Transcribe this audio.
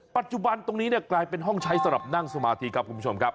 ปัจจุบันตรงนี้เนี่ยกลายเป็นห้องใช้สำหรับนั่งสมาธิครับคุณผู้ชมครับ